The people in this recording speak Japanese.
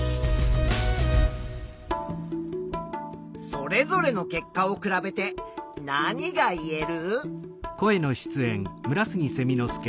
それぞれの結果を比べて何がいえる？